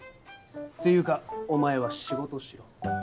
ていうかお前は仕事しろ。